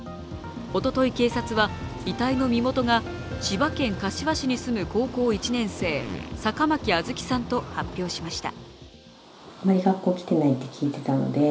おととい警察は遺体の身元が千葉県柏市に住む高校１年生、坂巻杏月さんと発表しました。